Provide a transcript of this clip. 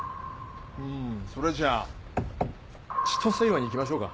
うんそれじゃあちとせ岩に行きましょうか。